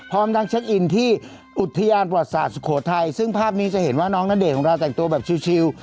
พร้อมทั้งเช็คอินที่อุทยานประวัติศาสตร์สุโขทัยซึ่งภาพนี้จะเห็นว่าน้องณเดชน์ของเราแต่งตัวแบบชิล